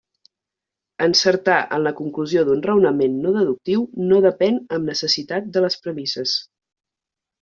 Encertar en la conclusió d'un raonament no deductiu no depèn amb necessitat de les premisses.